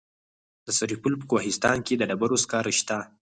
د سرپل په کوهستان کې د ډبرو سکاره شته.